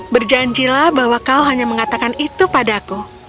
berjanjilah bahwa kau hanya mengatakan itu padaku